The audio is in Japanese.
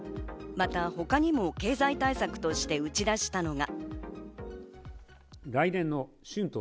また他にも経済対策として打ち出したのが。